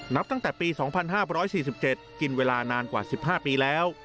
นับตั้งแต่ปี๒๕๔๗กินเวลานานกว่า๑๕ปีแล้ว